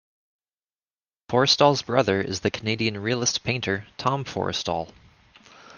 Forrestall's brother is the Canadian realist painter, Tom Forrestall.